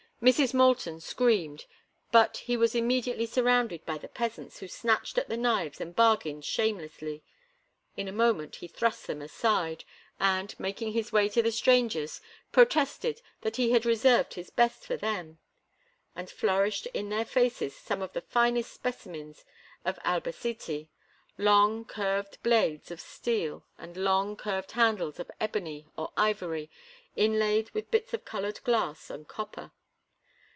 Mrs. Moulton screamed; but he was immediately surrounded by the peasants, who snatched at the knives and bargained shamelessly. In a moment he thrust them aside, and, making his way to the strangers, protested that he had reserved his best for them, and flourished in their faces some of the finest specimens of Albacete—long, curved blades of steel and long, curved handles of ebony or ivory inlaid with bits of colored glass and copper.